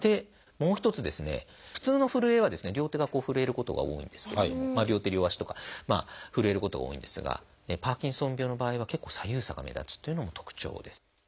もう一つですね普通のふるえは両手がふるえることが多いんですけれども両手両足とかふるえることが多いんですがパーキンソン病の場合は結構左右差が目立つっていうのも特徴です。